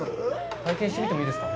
体験してみてもいいですか。